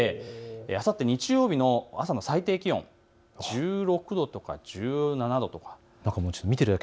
あさって日曜日の朝の最低気温、１６度、１７度です。